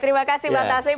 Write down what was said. terima kasih mbak tasim